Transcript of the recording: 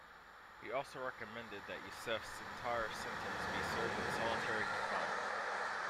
He also recommended that Yousef's entire sentence be served in solitary confinement.